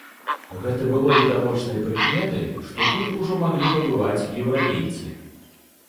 Гэта было відавочнай прыкметай, што тут ужо маглі пабываць еўрапейцы.